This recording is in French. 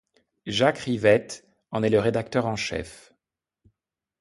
Jacques Rivette en est le rédacteur en chef.